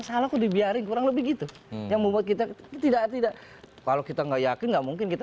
salah kok dibiarin kurang lebih gitu yang membuat kita tidak tidak kalau kita nggak yakin nggak mungkin kita